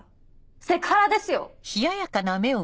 セクハラですよ！